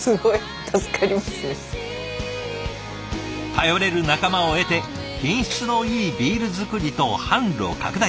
頼れる仲間を得て品質のいいビール造りと販路拡大。